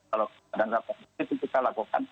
kalau keadaan saat pemimpin itu kita lakukan